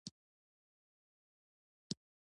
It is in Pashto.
دا په دې کیږي چې غیر حاضري ونه کړو.